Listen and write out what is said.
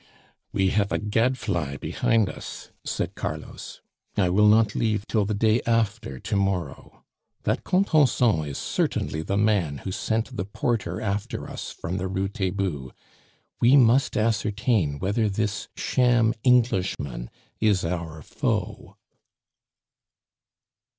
"We have a gadfly behind us," said Carlos. "I will not leave till the day after to morrow. That Contenson is certainly the man who sent the porter after us from the Rue Taitbout; we must ascertain whether this sham Englishman is our foe."